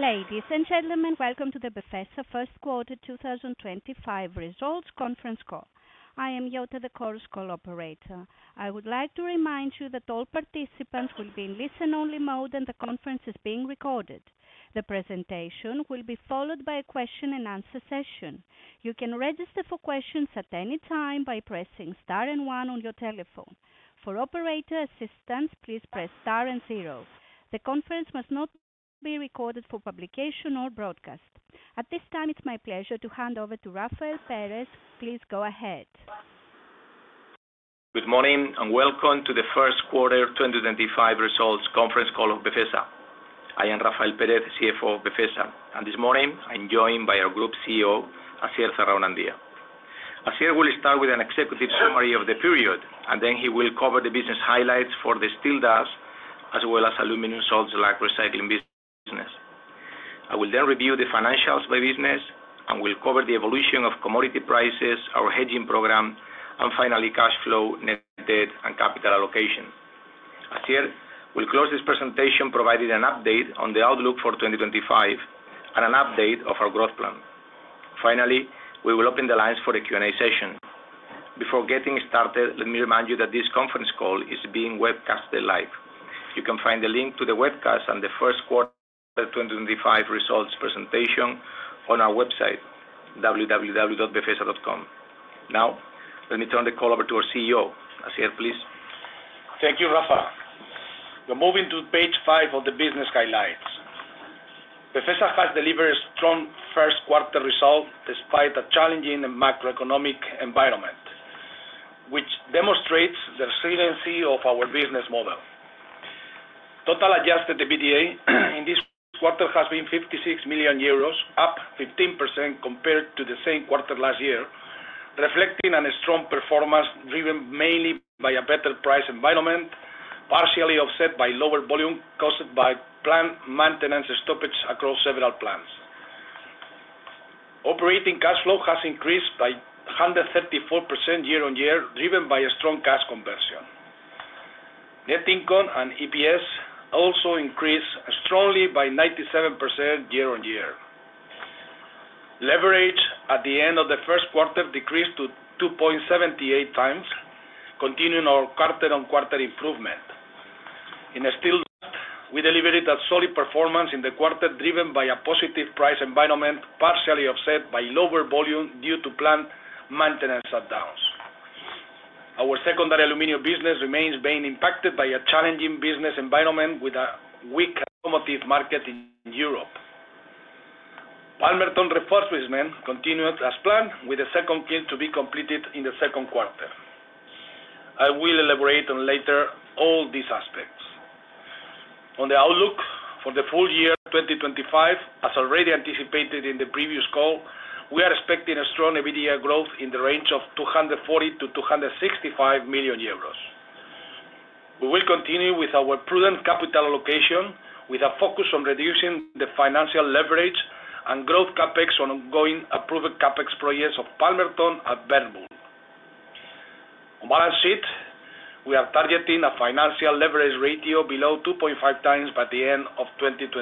Ladies and gentlemen, welcome to the Befesa first quarter 2025 results conference call. I am Jota, the Chorus Call operator. I would like to remind you that all participants will be in listen-only mode and the conference is being recorded. The presentation will be followed by a question-and-answer session. You can register for questions at any time by pressing star and one on your telephone. For operator assistance, please press star and zero. The conference must not be recorded for publication or broadcast. At this time, it's my pleasure to hand over to Rafael Pérez. Please go ahead. Good morning and welcome to the first quarter 2025 results conference call of Befesa. I am Rafael Pérez, CFO of Befesa, and this morning I'm joined by our group CEO, Asier Zarraonandia. Asier will start with an executive summary of the period, and then he will cover the business highlights for the steel dust, as well as aluminum salt slag recycling business. I will then review the financials by business and will cover the evolution of commodity prices, our hedging program, and finally cash flow, net debt, and capital allocation. Asier will close this presentation providing an update on the outlook for 2025 and an update of our growth plan. Finally, we will open the lines for a Q&A session. Before getting started, let me remind you that this conference call is being webcast live. You can find the link to the webcast and the first quarter 2025 results presentation on our website, www.befesa.com. Now, let me turn the call over to our CEO. Asier, please. Thank you, Rafa. We're moving to page five of the business highlights. Befesa has delivered strong first quarter results despite a challenging macroeconomic environment, which demonstrates the resiliency of our business model. Total adjusted EBITDA in this quarter has been 56 million euros, up 15% compared to the same quarter last year, reflecting a strong performance driven mainly by a better price environment, partially offset by lower volume caused by plant maintenance stoppage across several plants. Operating cash flow has increased by 134% year-on-year, driven by a strong cash conversion. Net income and EPS also increased strongly by 97% year-on-year. Leverage at the end of the first quarter decreased to 2.78x, continuing our quarter-on-quarter improvement. In steel dust, we delivered a solid performance in the quarter, driven by a positive price environment, partially offset by lower volume due to plant maintenance shutdowns. Our secondary aluminum business remains being impacted by a challenging business environment with a weak automotive market in Europe. Palmerton reinforcement continued as planned, with the second kiln to be completed in the second quarter. I will elaborate on later all these aspects. On the outlook for the full year 2025, as already anticipated in the previous call, we are expecting a strong EBITDA growth in the range of 240 million-265 million euros. We will continue with our prudent capital allocation, with a focus on reducing the financial leverage and growth CapEx ongoing approved CapEx projects of Palmerton and Bernburg. On balance sheet, we are targeting a financial leverage ratio below 2.5x by the end of 2025.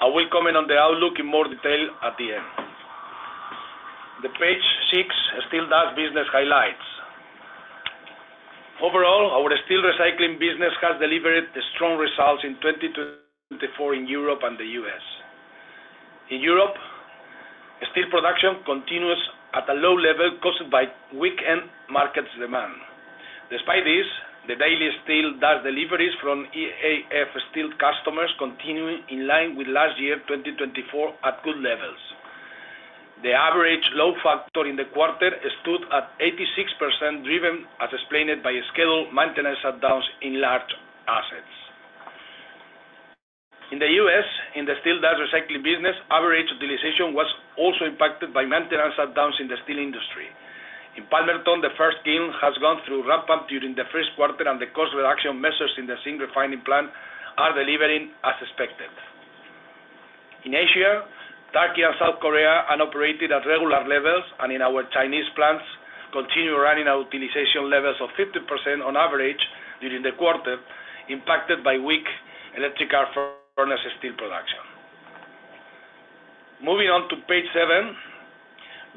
I will comment on the outlook in more detail at the end. The page six steel dust business highlights. Overall, our steel recycling business has delivered strong results in 2024 in Europe and the U.S. In Europe, steel production continues at a low level caused by weak end market demand. Despite this, the daily steel dust deliveries from EAF steel customers continue in line with last year 2024 at good levels. The average load factor in the quarter stood at 86%, driven as explained by scheduled maintenance shutdowns in large assets. In the U.S., in the steel dust recycling business, average utilization was also impacted by maintenance shutdowns in the steel industry. In Palmerton, the first kiln has gone through ramp-up during the first quarter, and the cost reduction measures in the zinc refining plant are delivering as expected. In Asia, Turkey and South Korea operated at regular levels, and in our Chinese plants, continue running at utilization levels of 50% on average during the quarter, impacted by weak electric arc furnace steel production. Moving on to page seven,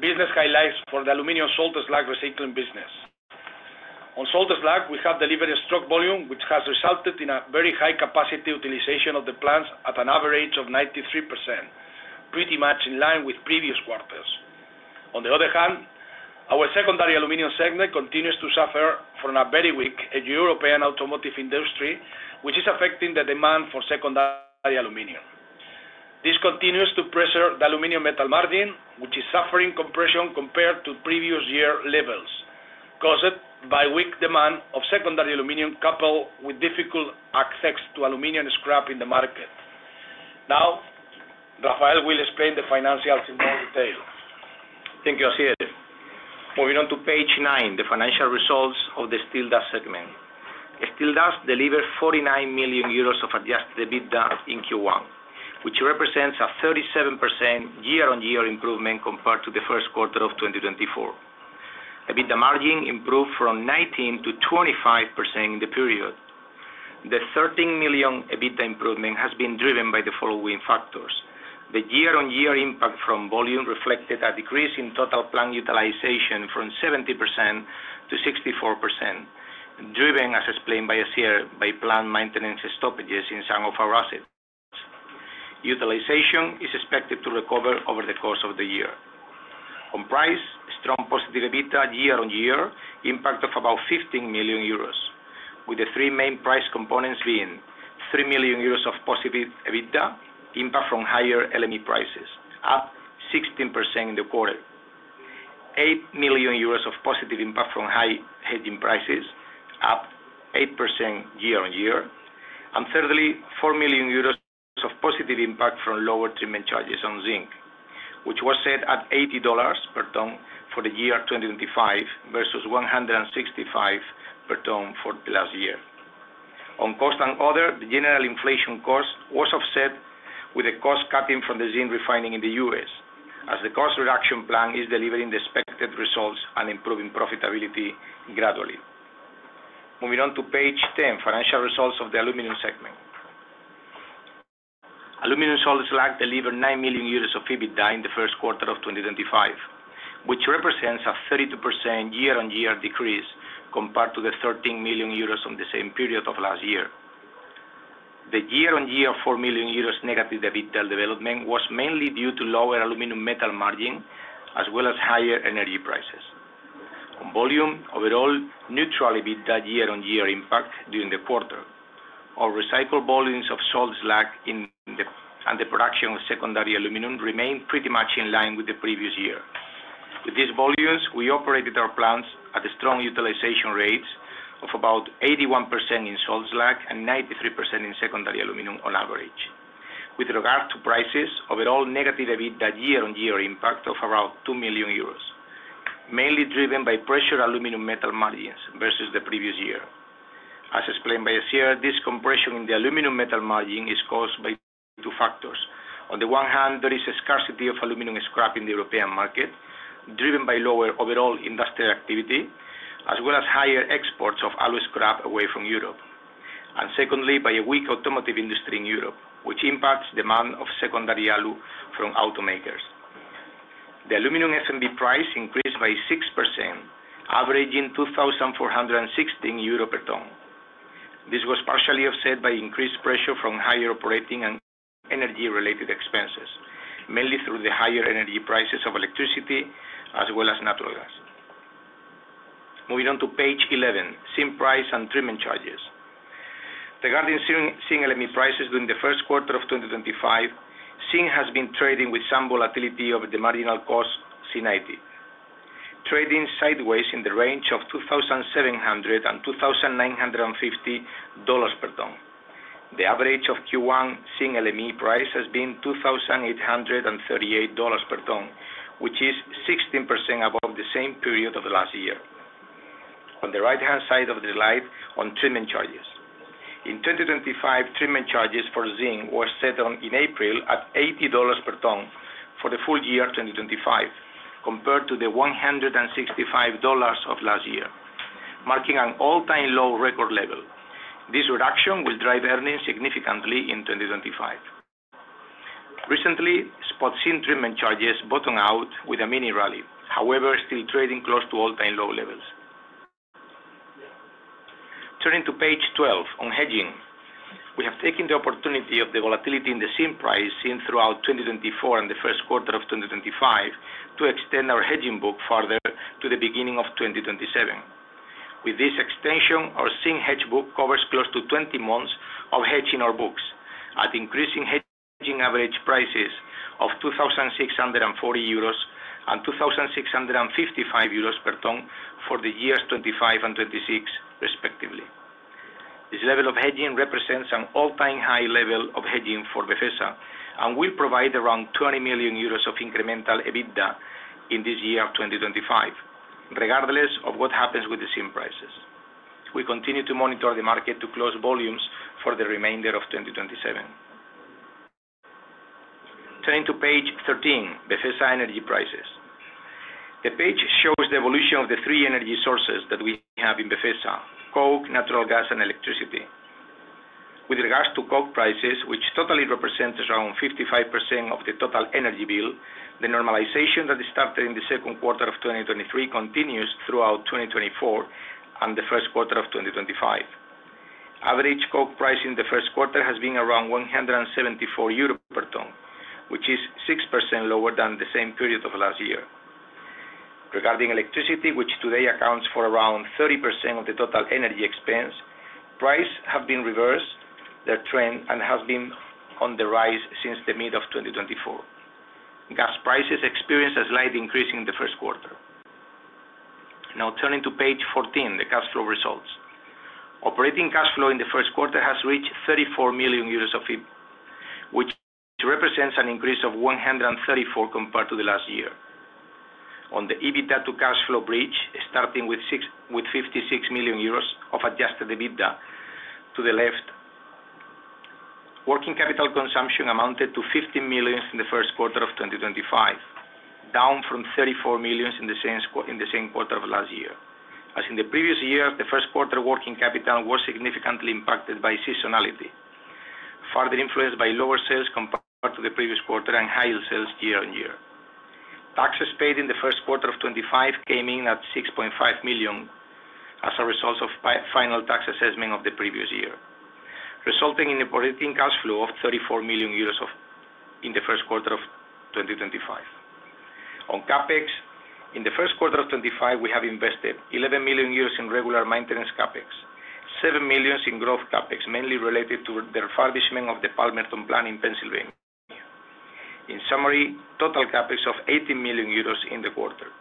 business highlights for the aluminum salt slag recycling business. On salt slag, we have delivered a strong volume, which has resulted in a very high capacity utilization of the plants at an average of 93%, pretty much in line with previous quarters. On the other hand, our secondary aluminum segment continues to suffer from a very weak European automotive industry, which is affecting the demand for secondary aluminum. This continues to pressure the aluminum metal margin, which is suffering compression compared to previous year levels, caused by weak demand of secondary aluminum coupled with difficult access to aluminum scrap in the market. Now, Rafael will explain the financials in more detail. Thank you, Asier. Moving on to page nine, the financial results of the steel dust segment. Steel dust delivered 49 million euros of adjusted EBITDA in Q1, which represents a 37% year-on-year improvement compared to the first quarter of 2024. EBITDA margin improved from 19% to 25% in the period. The 13 million EBITDA improvement has been driven by the following factors: the year-on-year impact from volume reflected a decrease in total plant utilization from 70% to 64%, driven, as explained by Asier, by plant maintenance stoppages in some of our assets. Utilization is expected to recover over the course of the year. On price, strong positive EBITDA year-on-year impact of about 15 million euros, with the three main price components being 3 million euros of positive EBITDA impact from higher LME prices, up 16% in the quarter; 8 million euros of positive impact from high hedging prices, up 8% year-on-year; and thirdly, 4 million euros of positive impact from lower treatment charges on zinc, which was set at $80 per ton for the year 2025 versus $165 per ton for the last year. On cost and order, the general inflation cost was offset, with the cost cutting from the zinc refining in the U.S., as the cost reduction plan is delivering the expected results and improving profitability gradually. Moving on to page 10, financial results of the aluminum segment. Aluminum salt slag delivered 9 million euros of EBITDA in the first quarter of 2025, which represents a 32% year-on-year decrease compared to the 13 million euros from the same period of last year. The year-on-year 4 million euros negative EBITDA development was mainly due to lower aluminum metal margin, as well as higher energy prices. On volume, overall, neutral EBITDA year-on-year impact during the quarter. Our recycled volumes of salt slag and the production of secondary aluminum remain pretty much in line with the previous year. With these volumes, we operated our plants at strong utilization rates of about 81% in salt slag and 93% in secondary aluminum on average. With regard to prices, overall negative EBITDA year-on-year impact of around 2 million euros, mainly driven by pressured aluminum metal margins versus the previous year. As explained by Asier, this compression in the aluminum metal margin is caused by two factors. On the one hand, there is a scarcity of aluminum scrap in the European market, driven by lower overall industrial activity, as well as higher exports of alloy scrap away from Europe; and secondly, by a weak automotive industry in Europe, which impacts demand of secondary alloy from automakers. The aluminum FMV price increased by 6%, averaging 2,460 euro per ton. This was partially offset by increased pressure from higher operating and energy-related expenses, mainly through the higher energy prices of electricity, as well as natural gas. Moving on to page 11, zinc price and treatment charges. Regarding zinc LME prices during the first quarter of 2025, zinc has been trading with some volatility over the marginal cost C90, trading sideways in the range of $2,700-$2,950 per ton. The average of Q1 zinc LME price has been $2,838 per ton, which is 16% above the same period of last year. On the right-hand side of the slide, on treatment charges. In 2025, treatment charges for zinc were set in April at $80 per ton for the full year 2025, compared to the $165 of last year, marking an all-time low record level. This reduction will drive earnings significantly in 2025. Recently, spot zinc treatment charges bottomed out with a mini rally, however still trading close to all-time low levels. Turning to page 12, on hedging, we have taken the opportunity of the volatility in the zinc price seen throughout 2024 and the first quarter of 2025 to extend our hedging book further to the beginning of 2027. With this extension, our zinc hedge book covers close to 20 months of hedging our books, at increasing hedging average prices of 2,640 euros and 2,655 euros per ton for the years 2025 and 2026, respectively. This level of hedging represents an all-time high level of hedging for Befesa and will provide around 20 million euros of incremental EBITDA in this year of 2025, regardless of what happens with the zinc prices. We continue to monitor the market to close volumes for the remainder of 2027. Turning to page 13, Befesa energy prices. The page shows the evolution of the three energy sources that we have in Befesa: coke, natural gas, and electricity. With regards to coke prices, which totally represent around 55% of the total energy bill, the normalization that started in the second quarter of 2023 continues throughout 2024 and the first quarter of 2025. Average coke price in the first quarter has been around 174 euros per ton, which is 6% lower than the same period of last year. Regarding electricity, which today accounts for around 30% of the total energy expense, prices have reversed their trend and have been on the rise since the middle of 2024. Gas prices experienced a slight increase in the first quarter. Now, turning to page 14, the cash flow results. Operating cash flow in the first quarter has reached 34 million euros of EBITDA, which represents an increase of 134% compared to the last year. On the EBITDA to cash flow breach, starting with 56 million euros of adjusted EBITDA to the left, working capital consumption amounted to 15 million in the first quarter of 2025, down from 34 million in the same quarter of last year. As in the previous year, the first quarter working capital was significantly impacted by seasonality, further influenced by lower sales compared to the previous quarter and higher sales year-on-year. Taxes paid in the first quarter of 2025 came in at 6.5 million as a result of final tax assessment of the previous year, resulting in an operating cash flow of 34 million euros in the first quarter of 2025. On CapEx, in the first quarter of 2025, we have invested 11 million euros in regular maintenance CapEx, 7 million in growth CapEx, mainly related to the refurbishment of the Palmerton plant in Pennsylvania. In summary, total CapEx of 18 million euros in the quarter.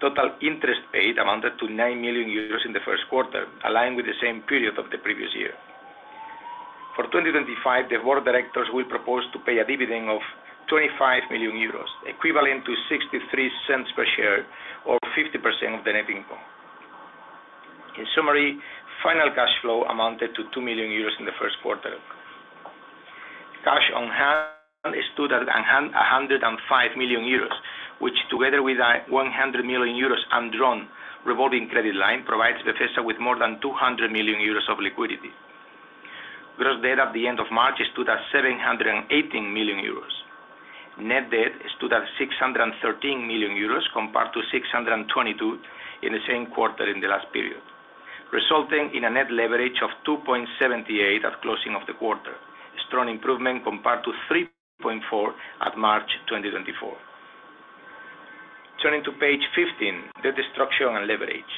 Total interest paid amounted to 9 million euros in the first quarter, aligned with the same period of the previous year. For 2025, the board directors will propose to pay a dividend of 25 million euros, equivalent to 0.63 per share or 50% of the net income. In summary, final cash flow amounted to 2 million euros in the first quarter. Cash on hand stood at 105 million euros, which, together with 100 million euros undrawn revolving credit line, provides Befesa with more than 200 million euros of liquidity. Gross debt at the end of March stood at 718 million euros. Net debt stood at 613 million euros compared to 622 million in the same quarter in the last period, resulting in a net leverage of 2.78x at closing of the quarter, a strong improvement compared to 3.4x at March 2024. Turning to page 15, debt destruction and leverage.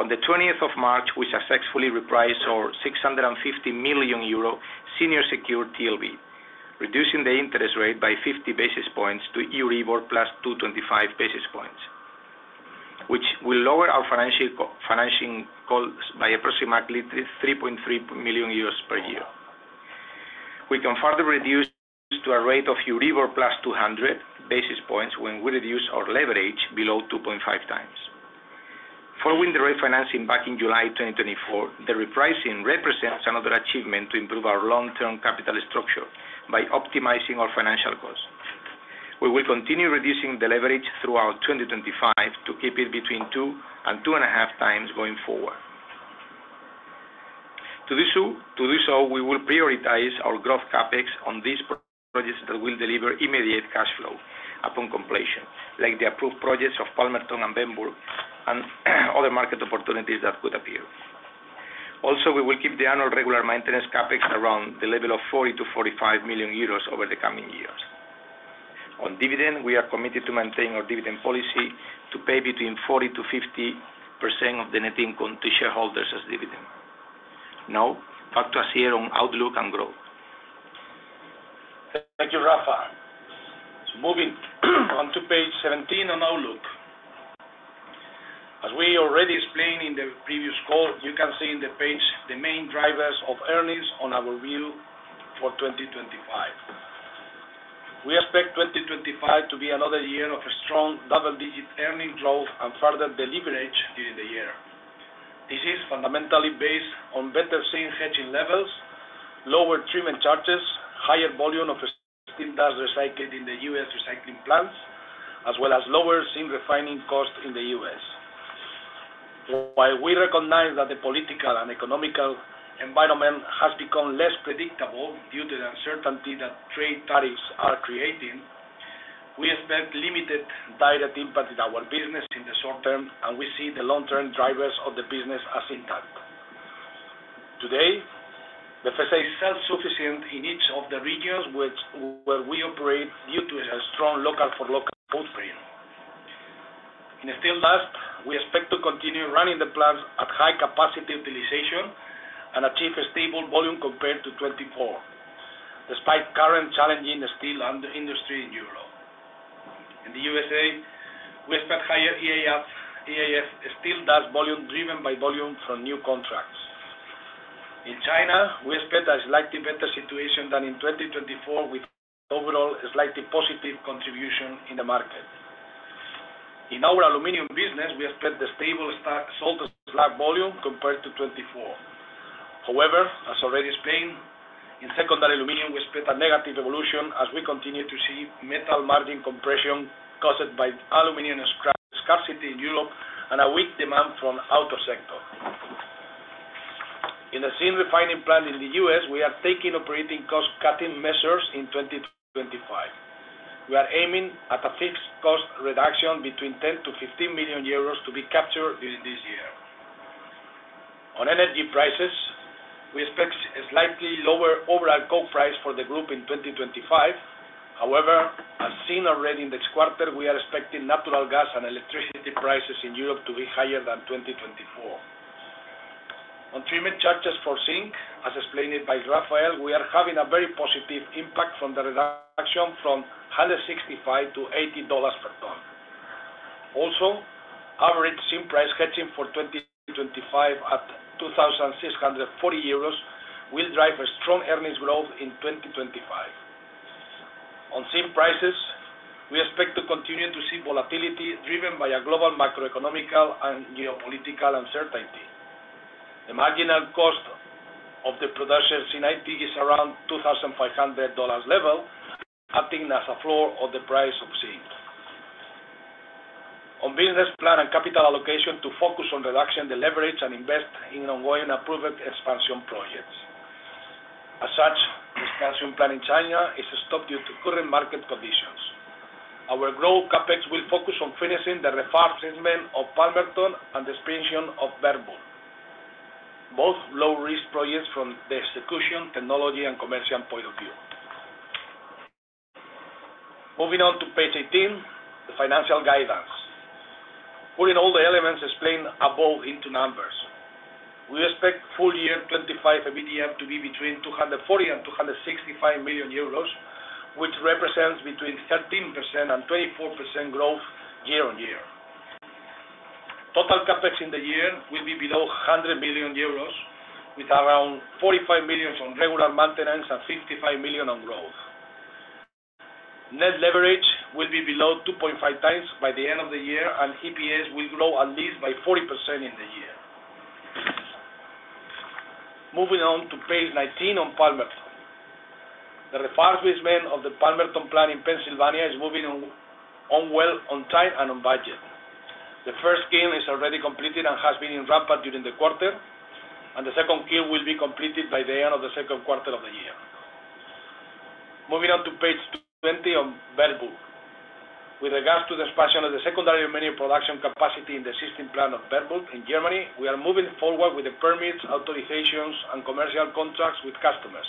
On the 20th of March, we successfully repriced our 650 million euro senior secured TLV, reducing the interest rate by 50 basis points to Euribor +225 basis points, which will lower our financing costs by approximately 3.3 million euros per year. We can further reduce to a rate of Euribor +200 basis points when we reduce our leverage below 2.5x. Following the refinancing back in July 2024, the repricing represents another achievement to improve our long-term capital structure by optimizing our financial costs. We will continue reducing the leverage throughout 2025 to keep it between 2x-2.5x going forward. To do so, we will prioritize our growth capex on these projects that will deliver immediate cash flow upon completion, like the approved projects of Palmerton and Bernburg and other market opportunities that could appear. Also, we will keep the annual regular maintenance CapEx around the level of 40 million-45 million euros over the coming years. On dividend, we are committed to maintain our dividend policy to pay between 40%-50% of the net income to shareholders as dividend. Now, back to Asier on outlook and growth. Thank you, Rafael. Moving on to page 17 on outlook. As we already explained in the previous call, you can see in the page the main drivers of earnings on our view for 2025. We expect 2025 to be another year of strong double-digit earnings growth and further deleverage during the year. This is fundamentally based on better zinc hedging levels, lower treatment charges, higher volume of zinc dust recycled in the U.S. recycling plants, as well as lower zinc refining costs in the U.S. While we recognize that the political and economic environment has become less predictable due to the uncertainty that trade tariffs are creating, we expect limited direct impact in our business in the short term, and we see the long-term drivers of the business as intact. Today, Befesa is self-sufficient in each of the regions where we operate due to a strong local-for-local footprint. In a still last, we expect to continue running the plants at high capacity utilization and achieve a stable volume compared to 2024, despite current challenging steel industry in Europe. In the U.S.A., we expect higher EAF, EAF, steel dust volume driven by volume from new contracts. In China, we expect a slightly better situation than in 2024, with overall slightly positive contribution in the market. In our aluminum business, we expect the stable salt slag volume compared to 2024. However, as already explained, in secondary aluminum, we expect a negative evolution as we continue to see metal margin compression caused by aluminum scarcity in Europe and a weak demand from the outer sector. In the zinc refining plant in the U.S., we are taking operating cost cutting measures in 2025. We are aiming at a fixed cost reduction between 10 million-15 million euros to be captured during this year. On energy prices, we expect a slightly lower overall coke price for the group in 2025. However, as seen already in this quarter, we are expecting natural gas and electricity prices in Europe to be higher than 2024. On treatment charges for zinc, as explained by Rafael Pérez, we are having a very positive impact from the reduction from $165 to $80 per ton. Also, average zinc price hedging for 2025 at 2,640 euros will drive a strong earnings growth in 2025. On zinc prices, we expect to continue to see volatility driven by global macroeconomic and geopolitical uncertainty. The marginal cost of the production C90 is around $2,500 level, acting as a floor of the price of zinc. On business plan and capital allocation to focus on reducing the leverage and invest in ongoing approved expansion projects. As such, the expansion plan in China is stopped due to current market conditions. Our growth CapEx will focus on finishing the refurbishment of Palmerton and the expansion of Bernburg, both low-risk projects from the execution, technology, and commercial point of view. Moving on to page 18, the financial guidance. Putting all the elements explained above into numbers, we expect full year 2025 EBITDA to be between 240 million and 265 million euros, which represents between 13% and 24% growth year-on-year. Total CapEx in the year will be below 100 million euros, with around 45 million on regular maintenance and 55 million on growth. Net leverage will be below 2.5x by the end of the year, and EPS will grow at least by 40% in the year. Moving on to page 19 on Palmerton. The refurbishment of the Palmerton plant in Pennsylvania is moving well on time and on budget. The first kiln is already completed and has been in ramp-up during the quarter, and the second kiln will be completed by the end of the second quarter of the year. Moving on to page 20 on Bernburg. With regards to the expansion of the secondary aluminum production capacity in the zinc plant of Bernburg in Germany, we are moving forward with the permits, authorizations, and commercial contracts with customers.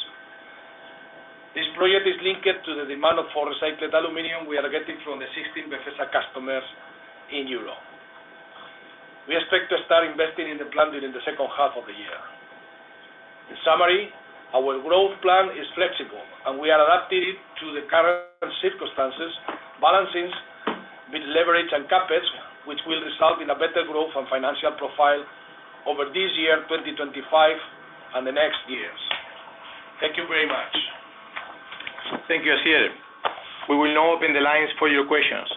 This project is linked to the demand for recycled aluminum we are getting from the zinc Befesa customers in Europe. We expect to start investing in the plant during the second half of the year. In summary, our growth plan is flexible, and we are adapting it to the current circumstances, balancing with leverage and capex, which will result in a better growth and financial profile over this year, 2025, and the next years. Thank you very much. Thank you, Asier. We will now open the lines for your questions.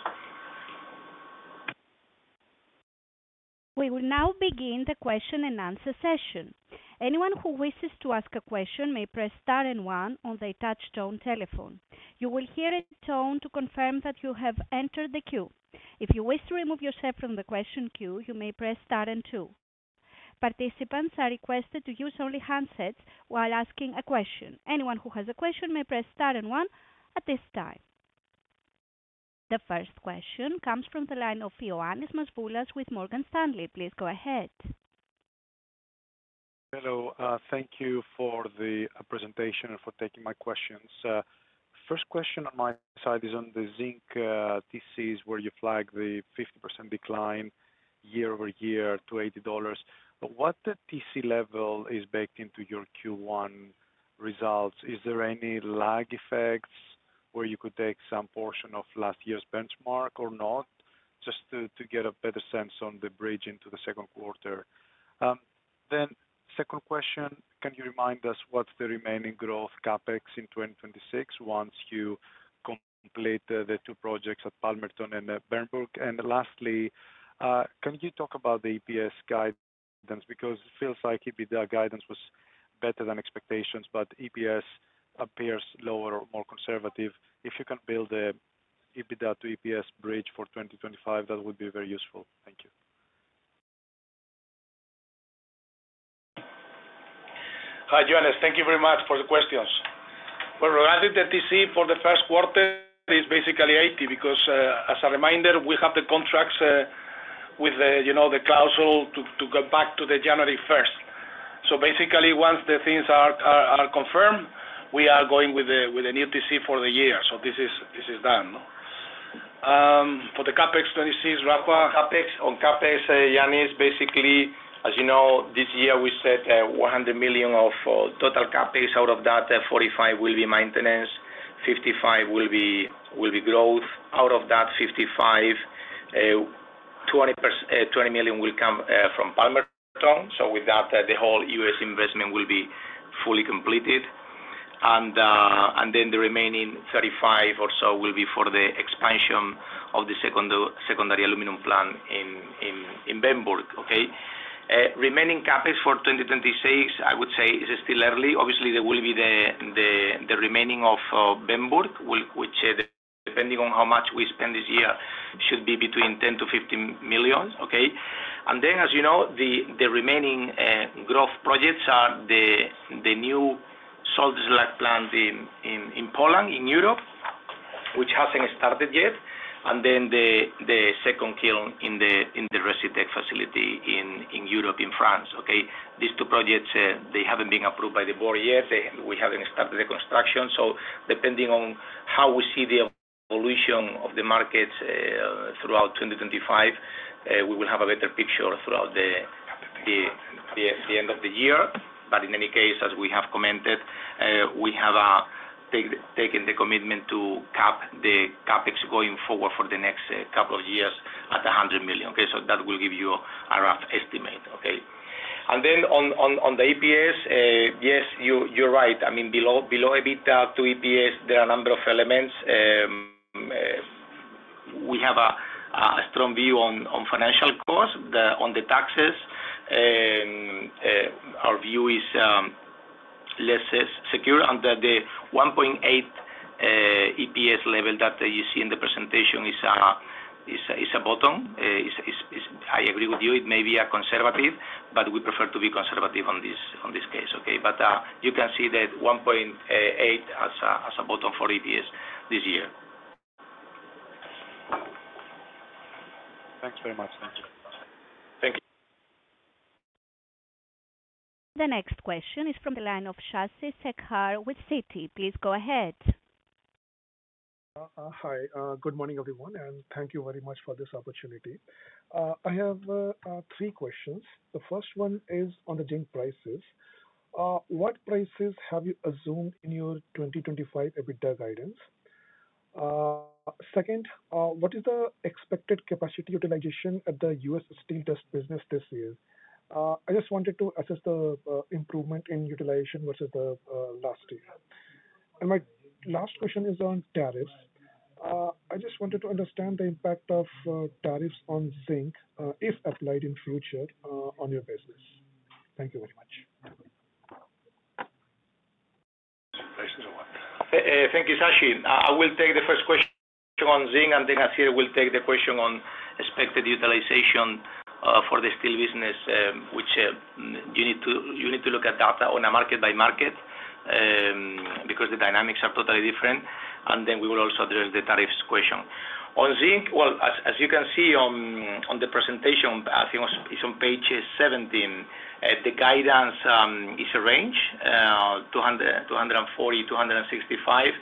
We will now begin the question and answer session. Anyone who wishes to ask a question may press star and one on the touch-tone telephone. You will hear a tone to confirm that you have entered the queue. If you wish to remove yourself from the question queue, you may press star and two. Participants are requested to use only handsets while asking a question. Anyone who has a question may press star and one at this time. The first question comes from the line of Ioannis Masvoulas with Morgan Stanley. Please go ahead. Hello. Thank you for the presentation and for taking my questions. First question on my side is on the zinc TCs where you flag the 50% decline year-over-year to $80. What TC level is baked into your Q1 results? Is there any lag effects where you could take some portion of last year's benchmark or not, just to get a better sense on the bridge into the second quarter? Second question, can you remind us what's the remaining growth capex in 2026 once you complete the two projects at Palmerton and Bernburg? Lastly, can you talk about the EPS guidance? Because it feels like EBITDA guidance was better than expectations, but EPS appears lower or more conservative. If you can build an EBITDA to EPS bridge for 2025, that would be very useful. Thank you. Hi, Ioannis. Thank you very much for the questions. Regarding the TC for the first quarter, it is basically $80 because, as a reminder, we have the contracts with the clause to go back to January 1st. Basically, once the things are confirmed, we are going with a new TC for the year. This is done. For the CapEx 2026, Rafael? On CapEx, Ioannis, as you know, this year we set 100 million of total capex. Out of that, 45 million will be maintenance, 55 million will be growth. Out of that 55 million, 20 million will come from Palmerton. With that, the whole U.S. investment will be fully completed. Then the remaining 35 million or so will be for the expansion of the secondary aluminum plant in Bernburg. Okay? Remaining CapEx for 2026, I would say it's still early. Obviously, there will be the remaining of Bernburg, which depending on how much we spend this year should be between 10 million-15 million. Okay? Then, as you know, the remaining growth projects are the new salt slag plant in Poland, in Europe, which hasn't started yet. Then the second kiln in the Recytech facility in Europe, in France. Okay? These two projects, they haven't been approved by the board yet. We haven't started the construction. Depending on how we see the evolution of the markets throughout 2025, we will have a better picture throughout the end of the year. In any case, as we have commented, we have taken the commitment to cap the CapEx going forward for the next couple of years at 100 million. Okay? That will give you a rough estimate. Okay? On the EPS, yes, you're right. I mean, below EBITDA to EPS, there are a number of elements. We have a strong view on financial costs, on the taxes. Our view is less secure. The 1.8 EPS level that you see in the presentation is a bottom. I agree with you. It may be conservative, but we prefer to be conservative in this case. Okay? You can see that 1.8 as a bottom for EPS this year. Thanks very much. Thank you. The next question is from the line of Shashi Shekhar with Citi. Please go ahead. Hi. Good morning, everyone. Thank you very much for this opportunity. I have three questions. The first one is on the zinc prices. What prices have you assumed in your 2025 EBITDA guidance? Second, what is the expected capacity utilization at the U.S. steel dust business this year? I just wanted to assess the improvement in utilization versus last year. My last question is on tariffs. I just wanted to understand the impact of tariffs on zinc, if applied in future, on your business. Thank you very much. Thank you, Sashi. I will take the first question on zinc, and then Asier will take the question on expected utilization for the steel business, which you need to look at data on a market-by-market basis because the dynamics are totally different. We will also address the tariffs question. On zinc, as you can see on the presentation, I think it's on page 17, the guidance is a range of 240 million-265 million.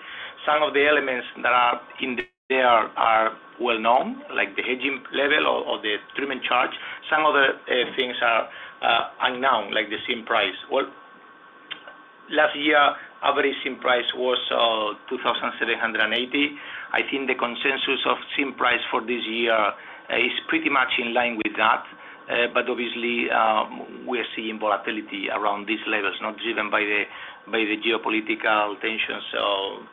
Some of the elements that are in there are well-known, like the hedging level or the treatment charge. Some other things are unknown, like the zinc price. Last year, average zinc price was $2,780. I think the consensus of zinc price for this year is pretty much in line with that. Obviously, we are seeing volatility around these levels, not driven by the geopolitical tensions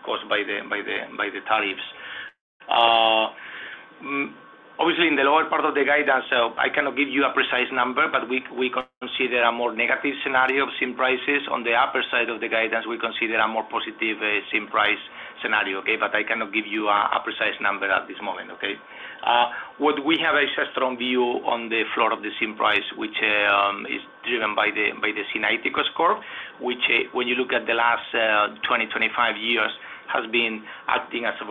caused by the tariffs. In the lower part of the guidance, I cannot give you a precise number, but we consider a more negative scenario of zinc prices. On the upper side of the guidance, we consider a more positive zinc price scenario. I cannot give you a precise number at this moment. What we have is a strong view on the floor of the zinc price, which is driven by the zinc [ITCOS] score, which, when you look at the last 20-25 years, has been acting as a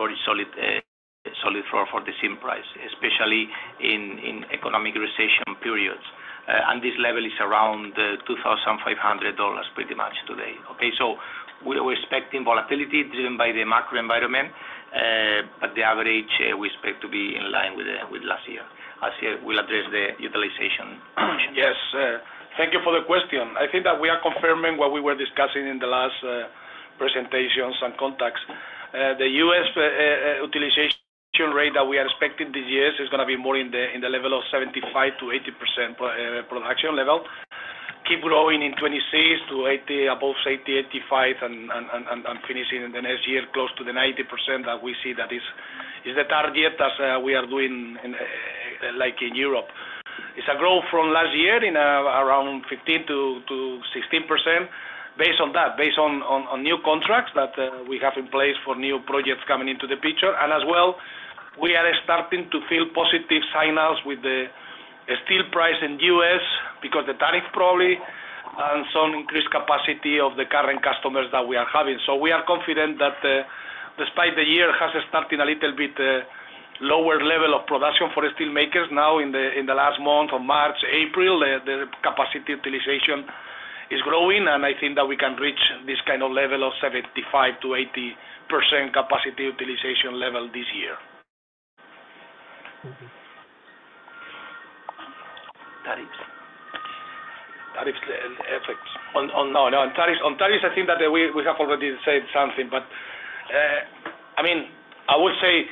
very solid floor for the zinc price, especially in economic recession periods. This level is around $2,500 pretty much today. We are expecting volatility driven by the macro environment, but the average we expect to be in line with last year. Asier will address the utilization. Yes. Thank you for the question. I think that we are confirming what we were discussing in the last presentations and contacts. The U.S. utilization rate that we are expecting this year is going to be more in the level of 75%-80% production level, keep growing in 2026 to above 80%-85%, and finishing in the next year close to the 90% that we see that is the target as we are doing in Europe. It is a growth from last year in around 15%-16% based on that, based on new contracts that we have in place for new projects coming into the picture. As well, we are starting to feel positive signals with the steel price in the U.S. because the tariff probably and some increased capacity of the current customers that we are having. We are confident that despite the year has started at a little bit lower level of production for steelmakers, now in the last month of March, April, the capacity utilization is growing. I think that we can reach this kind of level of 75%-80% capacity utilization level this year. Tariffs. Tariffs effects. On tariffs, I think that we have already said something. I would say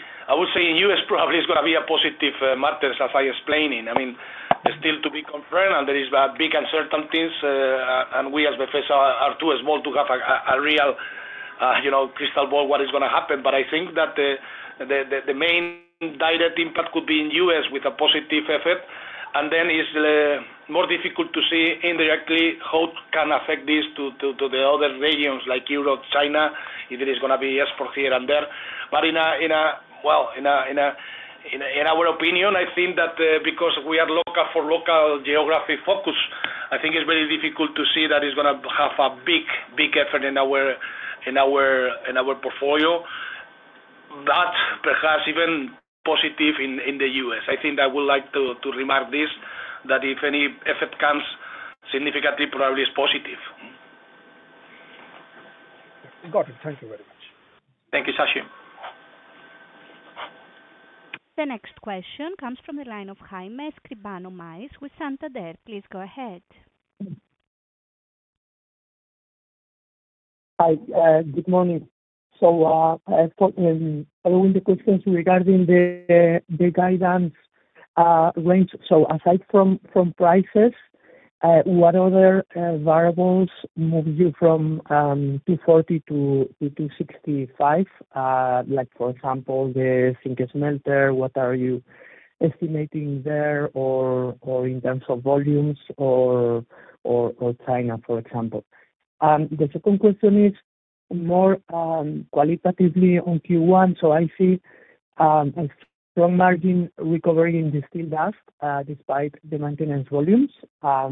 in the U.S., probably it is going to be a positive matter, as I explained. There is still to be confirmed, and there are big uncertainties. We as Befesa are too small to have a real crystal ball for what is going to happen. I think that the main direct impact could be in the U.S. with a positive effect. It is more difficult to see indirectly how it can affect this to the other regions like Europe, China, if it is going to be export here and there. In our opinion, I think that because we are local for local geography focus, I think it is very difficult to see that it is going to have a big effect in our portfolio, but perhaps even positive in the U.S. I think I would like to remark this, that if any effect comes significantly, probably it is positive. Got it. Thank you very much. Thank you, Sashi. The next question comes from the line of Jaime Escribano Maiz with Santander. Please go ahead. Hi. Good morning. I have a couple of questions regarding the guidance range. Aside from prices, what other variables move you from 240 million-265 million? For example, the zinc smelter, what are you estimating there in terms of volumes or China, for example? The second question is more qualitatively on Q1. I see a strong margin recovery in the steel dust despite the maintenance volumes. I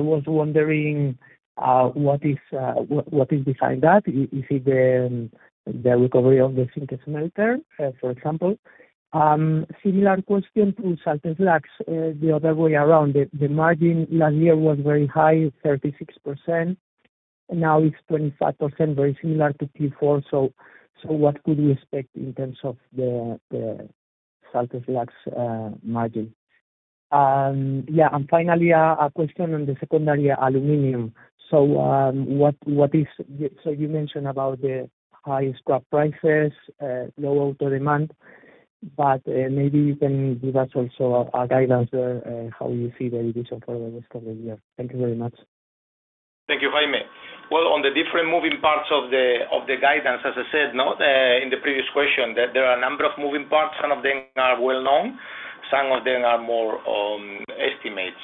was wondering what is behind that. Is it the recovery of the zinc smelter, for example? Similar question to salt slags, the other way around. The margin last year was very high, 36%. Now it is 25%, very similar to Q4. What could we expect in terms of the salt slags margin? Finally, a question on the secondary aluminum. You mentioned about the high stock prices, low auto demand, but maybe you can give us also a guidance on how you see the decision for the rest of the year. Thank you very much. Thank you, Jaime. On the different moving parts of the guidance, as I said in the previous question, there are a number of moving parts. Some of them are well-known. Some of them are more estimates.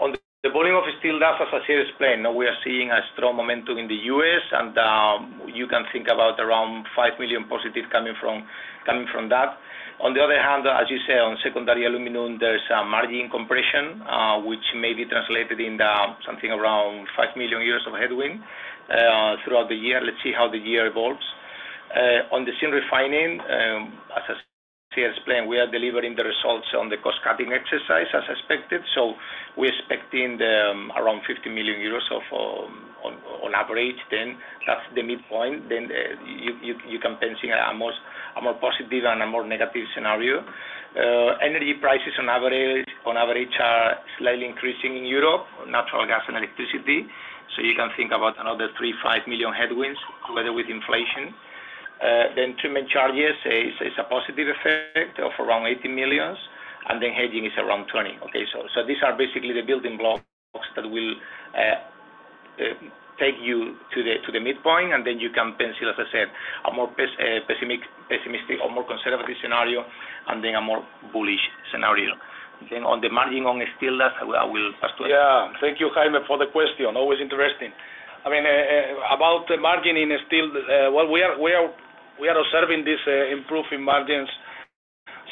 On the volume of steel dust, as Asier explained, we are seeing a strong momentum in the U.S. You can think about around 5 million positive coming from that. On the other hand, as you said, on secondary aluminum, there is margin compression, which may be translated in something around 5 million euros of headwind throughout the year. Let's see how the year evolves. On the zinc refining, as Asier explained, we are delivering the results on the cost-cutting exercise as expected. We are expecting around 50 million euros on average. That is the midpoint. You can pencil in a more positive and a more negative scenario. Energy prices on average are slightly increasing in Europe, natural gas and electricity. You can think about another 3 million-5 million headwinds together with inflation. Treatment charges is a positive effect of around 80 million. Hedging is around 20 million. These are basically the building blocks that will take you to the midpoint. You can pens in, as I said, a more pessimistic or more conservative scenario and then a more bullish scenario. On the margin on steel dust, I will pass to. Thank you, Jaime, for the question. Always interesting. I mean, about the margin in steel, we are observing this improving margins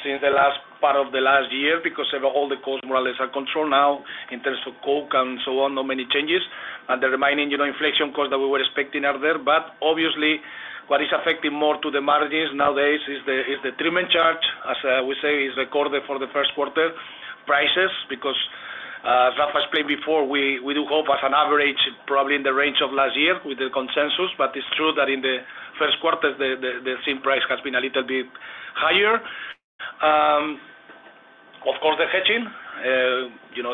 since the last part of the last year because all the costs more or less are controlled now in terms of coke and so on, no many changes. The remaining inflation costs that we were expecting are there. Obviously, what is affecting more to the margins nowadays is the treatment charge, as we say, is recorded for the first quarter prices. Because as Rafa explained before, we do hope as an average, probably in the range of last year with the consensus. It is true that in the first quarter, the zinc price has been a little bit higher. Of course, the hedging,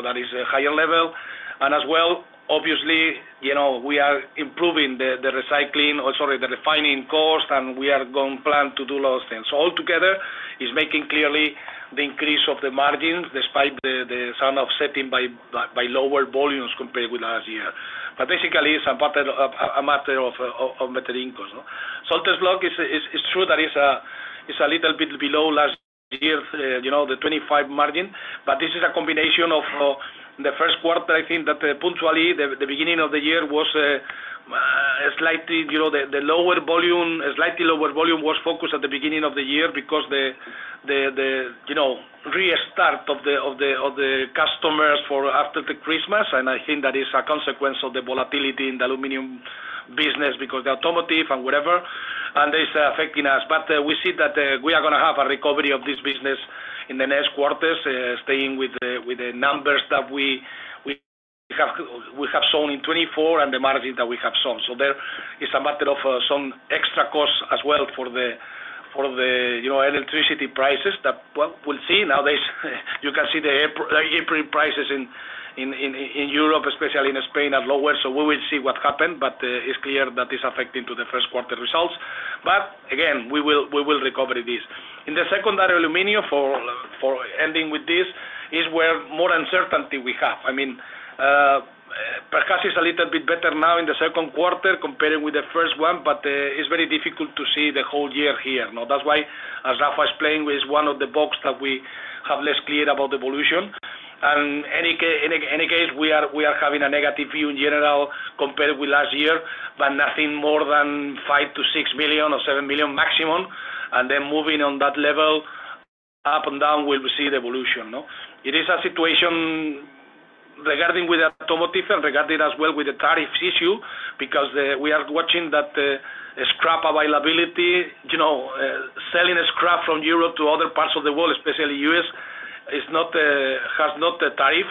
that is a higher level. As well, obviously, we are improving the recycling, sorry, the refining cost, and we are going to plan to do those things. Altogether, it is making clearly the increase of the margins despite the sign of setting by lower volumes compared with last year. Basically, it is a matter of better income. Salt slag is true that it is a little bit below last year, the 25% margin. This is a combination of the first quarter. I think that punctually the beginning of the year was slightly the lower volume, slightly lower volume was focused at the beginning of the year because the restart of the customers for after Christmas. I think that is a consequence of the volatility in the aluminum business because the automotive and whatever. It's affecting us. We see that we are going to have a recovery of this business in the next quarters, staying with the numbers that we have seen in 2024 and the margin that we have seen. There is a matter of some extra costs as well for the electricity prices that we'll see. Nowadays, you can see the April prices in Europe, especially in Spain, are lower. We will see what happens. It's clear that it's affecting the first quarter results. Again, we will recover this. In the secondary aluminum, for ending with this, is where more uncertainty we have. I mean, perhaps it's a little bit better now in the second quarter compared with the first one, but it's very difficult to see the whole year here. That's why, as Rafa explained, it's one of the books that we have less clear about the evolution. In any case, we are having a negative view in general compared with last year, but nothing more than 5 million-6 million or 7 million maximum. Moving on that level up and down, we will see the evolution. It is a situation regarding with the automotive and regarding as well with the tariff issue because we are watching that scrap availability. Selling scrap from Europe to other parts of the world, especially the U.S., has not the tariff.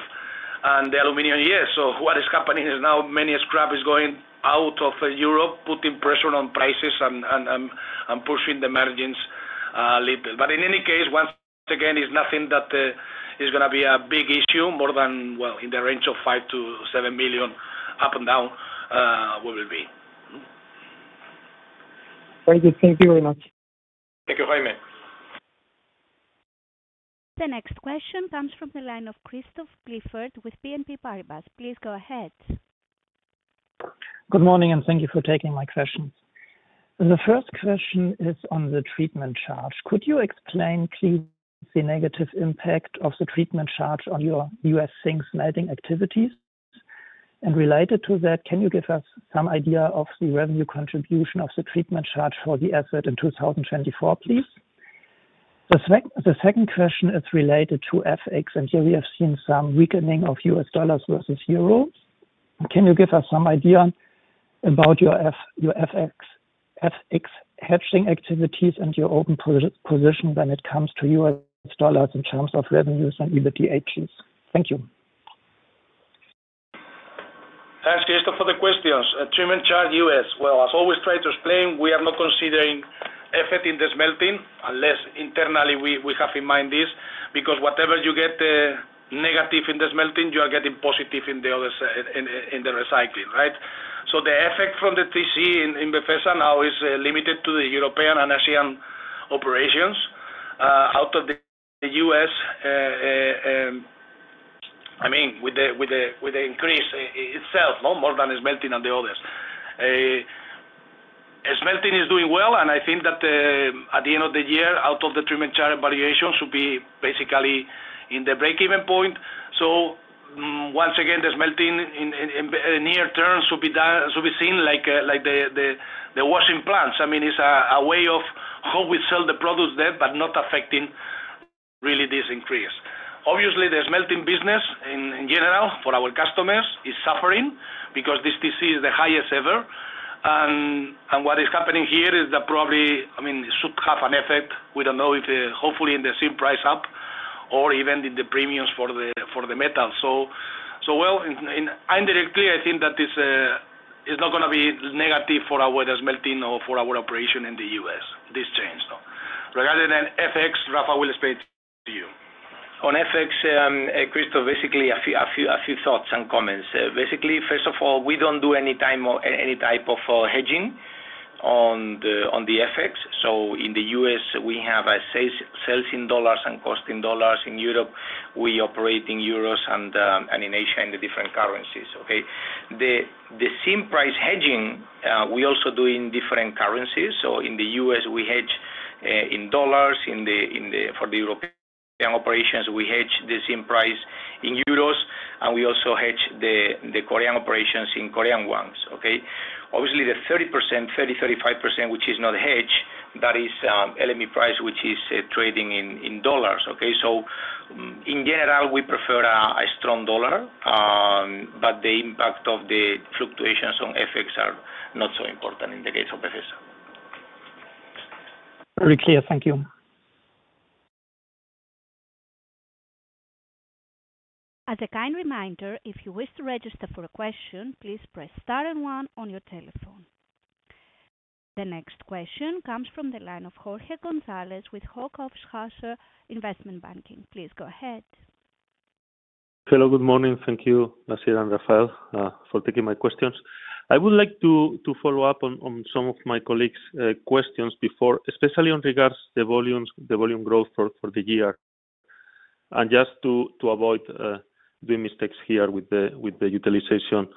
The aluminum, yes. What is happening is now many scrap is going out of Europe, putting pressure on prices and pushing the margins a little. In any case, once again, it is nothing that is going to be a big issue more than, in the range of 5 million-7 million up and down we will be. Thank you. Thank you very much. Thank you, Jaime. The next question comes from the line of Christopher Clifford with BNP Paribas. Please go ahead. Good morning, and thank you for taking my questions. The first question is on the treatment charge. Could you explain, please, the negative impact of the treatment charge on your U.S. zinc smelting activities? Related to that, can you give us some idea of the revenue contribution of the treatment charge for the asset in 2024, please? The second question is related to FX, and here we have seen some weakening of U.S. dollars versus euros. Can you give us some idea about your FX hedging activities and your open position when it comes to U.S. dollars in terms of revenues and EBITDA issues? Thank you. Thanks, Christopher, for the questions. Treatment charge U.S. As always, try to explain, we are not considering effect in the smelting unless internally we have in mind this because whatever you get negative in the smelting, you are getting positive in the recycling, right? The effect from the TC in Befesa now is limited to the European and Asian operations. Out of the U.S., I mean, with the increase itself, more than is melting on the others. Smelting is doing well, and I think that at the end of the year, out of the treatment charge evaluation, should be basically in the break-even point. Once again, the smelting in near terms should be seen like the washing plants. I mean, it's a way of how we sell the products there, but not affecting really this increase. Obviously, the smelting business in general for our customers is suffering because this TC is the highest ever. What is happening here is that probably, I mean, it should have an effect. We don't know if hopefully in the zinc price up or even in the premiums for the metal. Indirectly, I think that it's not going to be negative for our smelting or for our operation in the U.S., this change. Regarding FX, Rafa will explain to you. On FX, Christopher, basically a few thoughts and comments. Basically, first of all, we don't do any type of hedging on the FX. In the U.S., we have sales in dollars and cost in dollars. In Europe, we operate in euros and in Asia in the different currencies. Okay? The zinc price hedging, we also do in different currencies. In the U.S., we hedge in dollars. For the European operations, we hedge the zinc price in euros, and we also hedge the Korean operations in Korean wons. Okay? Obviously, the 30%-35%, which is not hedged, that is LME price, which is trading in dollars. Okay? In general, we prefer a strong dollar, but the impact of the fluctuations on FX are not so important in the case of Befesa. Very clear. Thank you. As a kind reminder, if you wish to register for a question, please press star and one on your telephone. The next question comes from the line of Jorge González with Hauck Aufhäuser Investment Banking. Please go ahead. Hello. Good morning. Thank you, Asier and Rafael, for taking my questions. I would like to follow up on some of my colleagues' questions before, especially in regards to the volume growth for the year. Just to avoid doing mistakes here with the utilization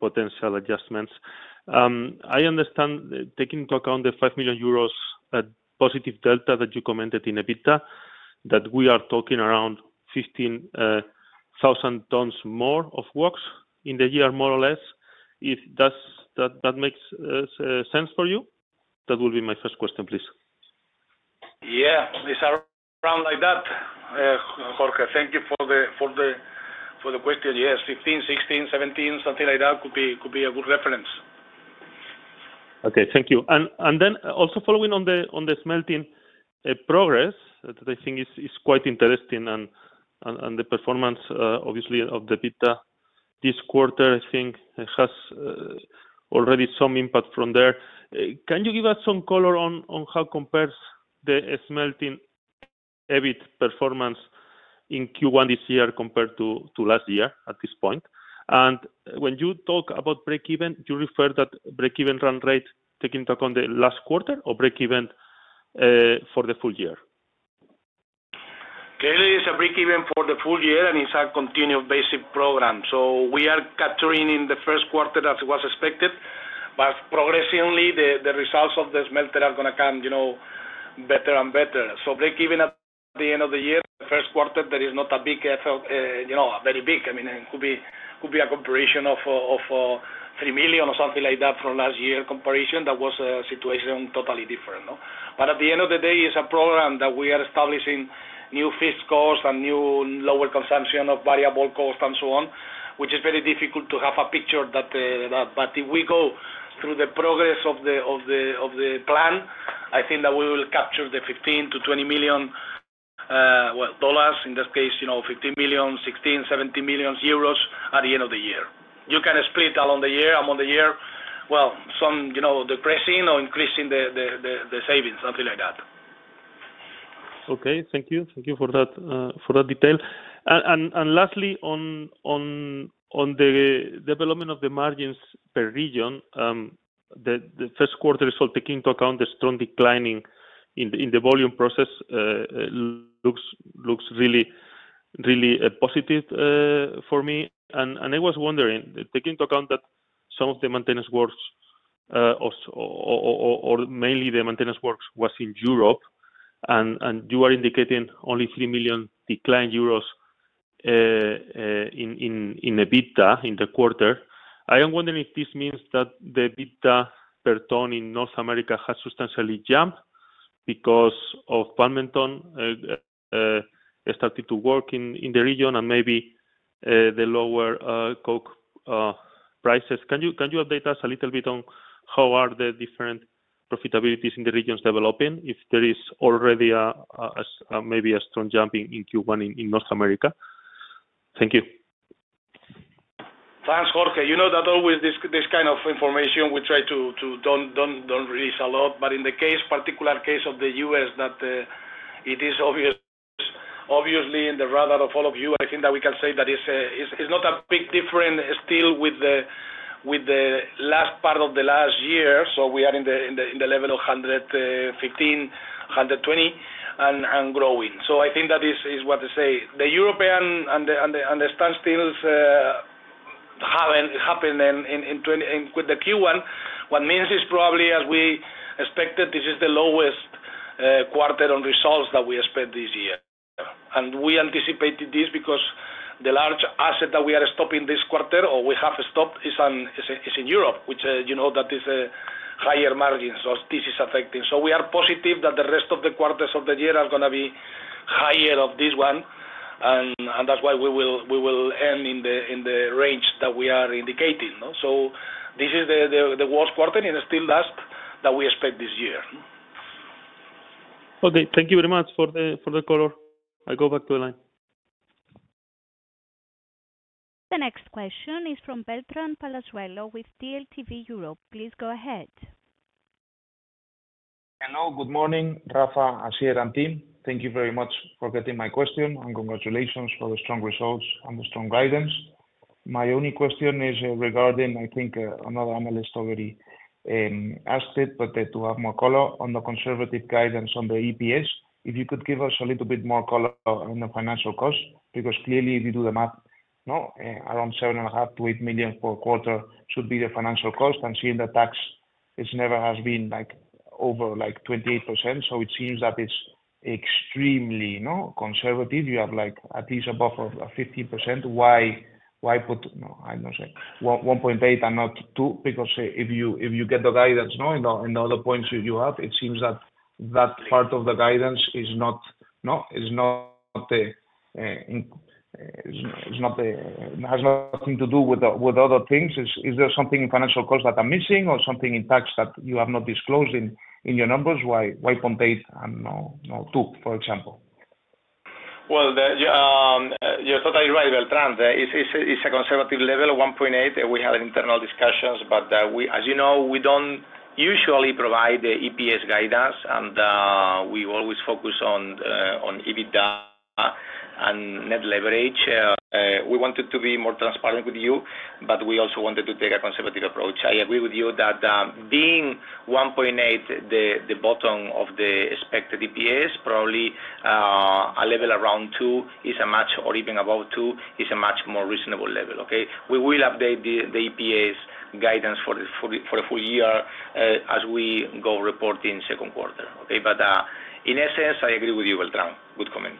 potential adjustments, I understand taking into account the 5 million euros positive delta that you commented in EBITDA, that we are talking around 15,000 tons more of works in the year, more or less. That makes sense for you? That will be my first question, please. Yeah. It's around like that. Jorge, thank you for the question. Yes. 15,000, 16,000, 17,000, something like that could be a good reference. Okay. Thank you. Also, following on the smelting progress, I think it is quite interesting. The performance, obviously, of the EBITDA this quarter, I think, has already some impact from there. Can you give us some color on how it compares, the smelting EBIT performance in Q1 this year compared to last year at this point? When you talk about break-even, do you refer to that break-even run rate taking into account the last quarter or break-even for the full year? Clearly, it is a break-even for the full year, and it is a continued basic program. We are capturing in the first quarter as it was expected. Progressively, the results of the smelter are going to come better and better. Break-even at the end of the year, the first quarter, there is not a big effort, very big. I mean, it could be a comparison of 3 million or something like that from last year's comparison. That was a situation totally different. At the end of the day, it's a program that we are establishing new fixed costs and new lower consumption of variable costs and so on, which is very difficult to have a picture. If we go through the progress of the plan, I think that we will capture the $15 million-$20 million, in this case, 15 million, 16 million, 17 million euros at the end of the year. You can split along the year, among the year, some decreasing or increasing the savings, something like that. Okay. Thank you. Thank you for that detail. Lastly, on the development of the margins per region, the first quarter is all taking into account the strong declining in the volume process looks really positive for me. I was wondering, taking into account that some of the maintenance works, or mainly the maintenance works, was in Europe, and you are indicating only 3 million euros declined in EBITDA in the quarter, I am wondering if this means that the EBITDA per ton in North America has substantially jumped because of Palmerton starting to work in the region and maybe the lower coke prices. Can you update us a little bit on how are the different profitabilities in the regions developing if there is already maybe a strong jump in Q1 in North America? Thank you. Thanks, Jorge. You know that always this kind of information we try to don't release a lot. In the particular case of the U.S., that it is obviously in the radar of all of you, I think that we can say that it's not a big difference still with the last part of the last year. We are in the level of $115-$120, and growing. I think that is what they say. The European and the standstills happen with the Q1. What means is probably, as we expected, this is the lowest quarter on results that we expect this year. We anticipated this because the large asset that we are stopping this quarter, or we have stopped, is in Europe, which you know that is a higher margin. This is affecting. We are positive that the rest of the quarters of the year are going to be higher of this one. That's why we will end in the range that we are indicating. This is the worst quarter in a still last that we expect this year. Okay. Thank you very much for the color. I'll go back to the line. The next question is from Beltrán Palazuelo with DLTV Europe. Please go ahead. Hello. Good morning, Rafa, Asier, and team. Thank you very much for getting my question. Congratulations for the strong results and the strong guidance. My only question is regarding, I think another analyst already asked it, but to have more color on the conservative guidance on the EPS, if you could give us a little bit more color on the financial cost because clearly, if you do the math, around 7.5 million-8 million per quarter should be the financial cost. Seeing the tax, it never has been over 28%. It seems that it's extremely conservative. You have at least above 15%. Why put, I don't know, 1.8 and not 2? Because if you get the guidance, and all the points you have, it seems that that part of the guidance has nothing to do with other things. Is there something in financial cost that I'm missing or something in tax that you have not disclosed in your numbers? Why 0.8 and not 2, for example? You are totally right, Beltrán. It's a conservative level of 1.8. We had internal discussions, but as you know, we don't usually provide the EPS guidance, and we always focus on EBITDA and net leverage. We wanted to be more transparent with you, but we also wanted to take a conservative approach. I agree with you that being 1.8, the bottom of the expected EPS, probably a level around 2 is a match, or even above 2 is a much more reasonable level. Okay? We will update the EPS guidance for the full year as we go reporting second quarter. Okay? In essence, I agree with you, Beltrán. Good comment.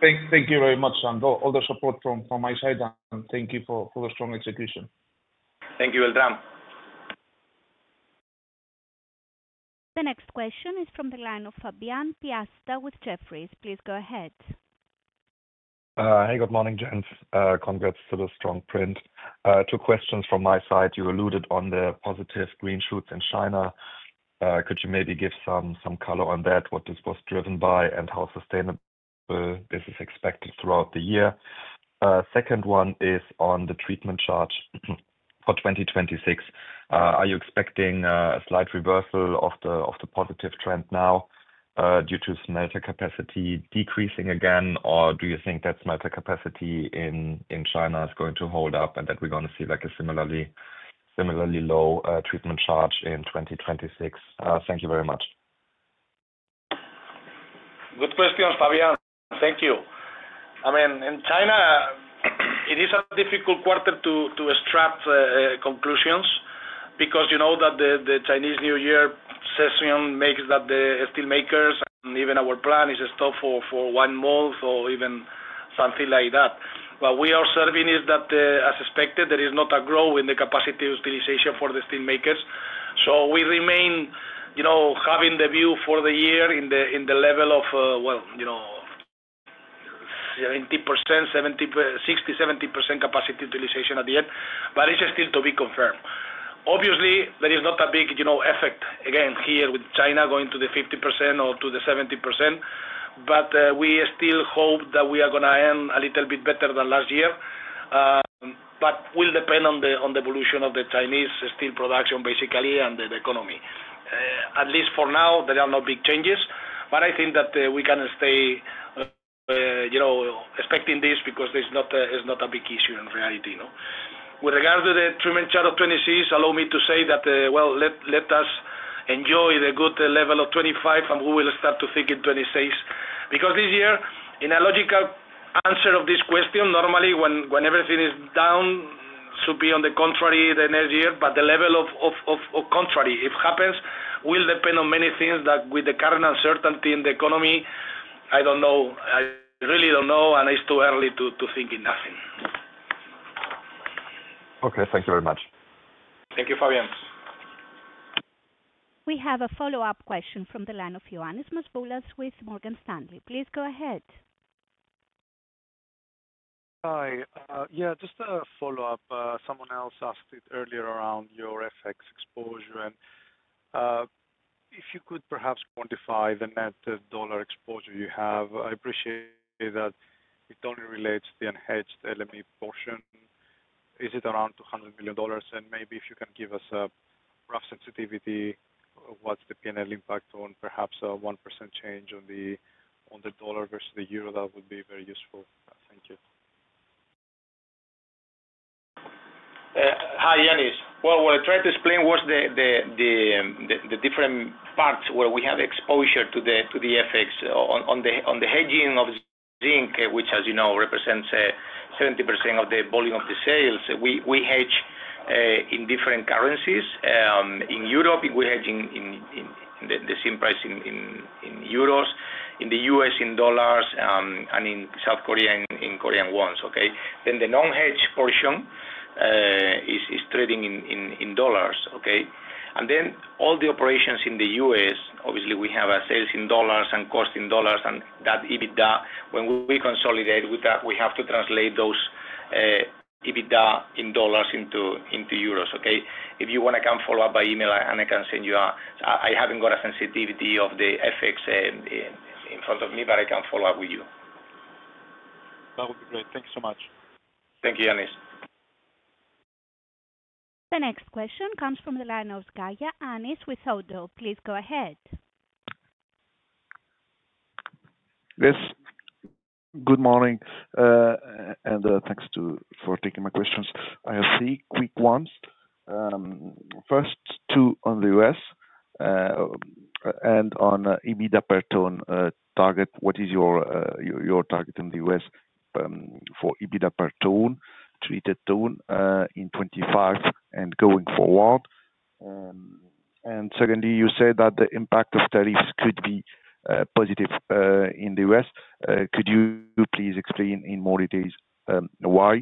Thank you very much. All the support from my side, and thank you for the strong execution. Thank you, Beltrán. The next question is from the line of Fabian Piasta with Jefferies. Please go ahead. Hey, good morning. Congrats for the strong print. Two questions from my side. You alluded on the positive green shoots in China. Could you maybe give some color on that, what this was driven by, and how sustainable this is expected throughout the year? Second one is on the treatment charge for 2026. Are you expecting a slight reversal of the positive trend now due to smelter capacity decreasing again, or do you think that smelter capacity in China is going to hold up and that we're going to see a similarly low treatment charge in 2026? Thank you very much. Good question, Fabian. Thank you. I mean, in China, it is a difficult quarter to extract conclusions because you know that the Chinese New Year session makes that the steelmakers and even our plant is stopped for one month or even something like that. What we are observing is that, as expected, there is not a growth in the capacity utilization for the steelmakers. We remain having the view for the year in the level of, well, 70%, 60%-70% capacity utilization at the end, but it is still to be confirmed. Obviously, there is not a big effect, again, here with China going to the 50% or to the 70%, but we still hope that we are going to end a little bit better than last year. It will depend on the evolution of the Chinese steel production, basically, and the economy. At least for now, there are no big changes, but I think that we can stay expecting this because it's not a big issue in reality. With regard to the treatment charge of 2026, allow me to say that, let us enjoy the good level of 2025, and we will start to think in 2026. Because this year, in a logical answer of this question, normally when everything is down, it should be on the contrary the next year, but the level of contrary, if it happens, will depend on many things that with the current uncertainty in the economy, I don't know. I really don't know, and it's too early to think in nothing. Okay. Thank you very much. Thank you, Fabian. We have a follow-up question from the line of Ioannis Masvoulas with Morgan Stanley. Please go ahead. Hi. Yeah, just a follow-up. Someone else asked it earlier around your FX exposure. If you could perhaps quantify the net dollar exposure you have, I appreciate that it only relates to the unhedged LME portion. Is it around $200 million? Maybe if you can give us a rough sensitivity, what's the P&L impact on perhaps a 1% change on the dollar versus the euro, that would be very useful. Thank you. Hi, Ioannis. What I tried to explain was the different parts where we have exposure to the FX. On the hedging of zinc, which, as you know, represents 70% of the volume of the sales, we hedge in different currencies. In Europe, we hedge in the same price in euros, in the U.S. in dollars, and in South Korea in Korean won. The non-hedged portion is trading in dollars. All the operations in the U.S., obviously, we have sales in dollars and cost in dollars, and that EBITDA, when we consolidate, we have to translate those EBITDA in dollars into euros. If you want to come follow up by email, and I can send you a—I haven't got a sensitivity of the FX in front of me, but I can follow up with you. That would be great. Thank you so much. Thank you, Ioannis. The next question comes from the line of Zgaya Anais with Oddo. Please go ahead. Yes. Good morning, and thanks for taking my questions. I have three quick ones. First, two on the U.S. and on EBITDA per ton target. What is your target in the U.S. for EBITDA per ton treated ton in 2025 and going forward? Secondly, you said that the impact of tariffs could be positive in the U.S. Could you please explain in more detail why?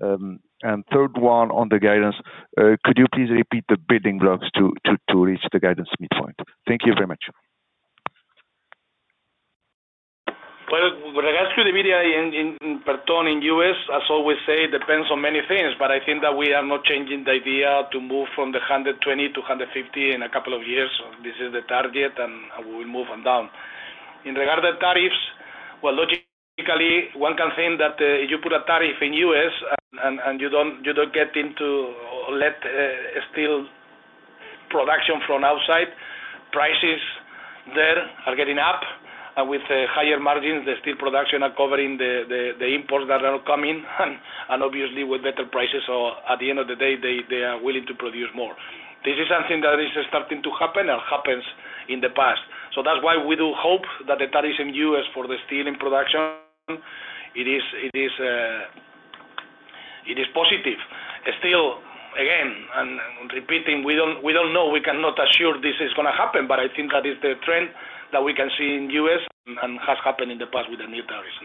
Third, on the guidance, could you please repeat the building blocks to reach the guidance midpoint? Thank you very much. With regards to the EBITDA per ton in the U.S., as I always say, it depends on many things, but I think that we are not changing the idea to move from the $120-$150 in a couple of years. This is the target, and we will move on down. In regard to tariffs, logically, one can think that if you put a tariff in the U.S. and you do not get into let steel production from outside, prices there are getting up, and with higher margins, the steel production is covering the imports that are coming, and obviously, with better prices, at the end of the day, they are willing to produce more. This is something that is starting to happen and happened in the past. That is why we do hope that the tariffs in the U.S. for the steel in production, it is positive. Still, again, and repeating, we don't know. We cannot assure this is going to happen, but I think that is the trend that we can see in the U.S. and has happened in the past with the new tariffs.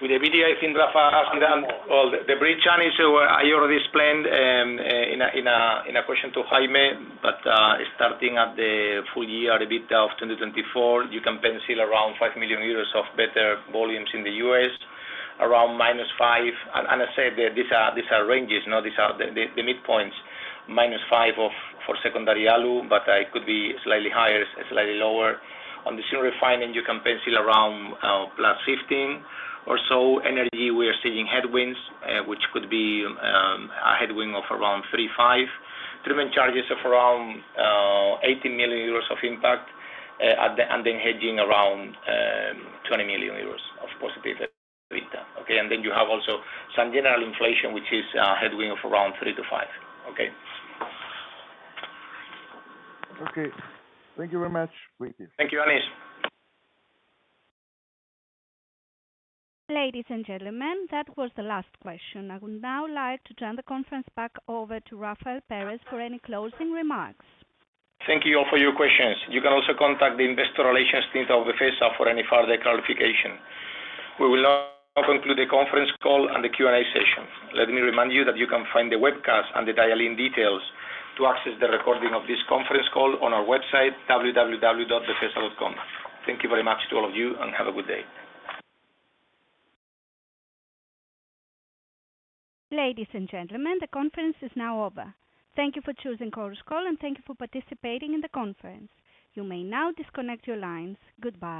With EBITDA, I think Rafa asked it. The bridge challenge I already explained in a question to Jaime, but starting at the full year EBITDA of 2024, you can pencil around 5 million euros of better volumes in the U.S., around minus 5 million. As I said, these are ranges, the midpoints, minus 5 million for secondary alu, but it could be slightly higher, slightly lower. On the steel refining, you can pencil around plus 15 million or so. Energy, we are seeing headwinds, which could be a headwind of around 3 million-5 million. Treatment charges of around 18 million euros of impact, and then hedging around 20 million euros of positive EBITDA. Okay? You have also some general inflation, which is a headwind of around 3%-5%. Okay? Okay. Thank you very much. Thank you. Thank you, Anais. Ladies and gentlemen, that was the last question. I would now like to turn the conference back over to Rafael Pérez for any closing remarks. Thank you all for your questions. You can also contact the investor relations team of Befesa for any further clarification. We will now conclude the conference call and the Q&A session. Let me remind you that you can find the webcast and the dial-in details to access the recording of this conference call on our website, www.befesa.com. Thank you very much to all of you, and have a good day. Ladies and gentlemen, the conference is now over. Thank you for choosing Chorus Call, and thank you for participating in the conference. You may now disconnect your lines. Goodbye.